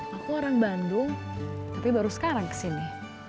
aku orang bandung tapi baru sekarang kesini